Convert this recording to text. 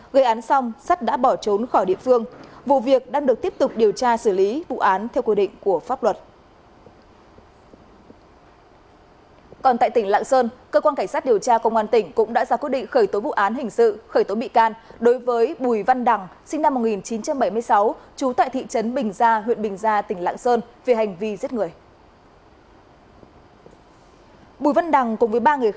gây án xong sắt đã bỏ trốn khỏi địa phương